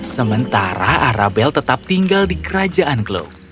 sementara arabel tetap tinggal di kerajaan glo